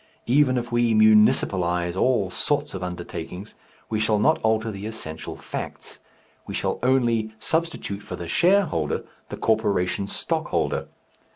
Even if we "municipalize" all sorts of undertakings we shall not alter the essential facts, we shall only substitute for the shareholder the corporation stockholder.